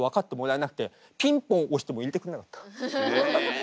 え！